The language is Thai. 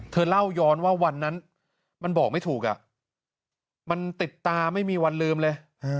เธอเล่าย้อนว่าวันนั้นมันบอกไม่ถูกมันติดตาไม่มีวันลืมเลย